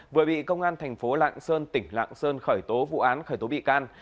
vừa bị công an thành phố lạng sơn tỉnh lạng sơn khởi tố vụ án khởi tố bị can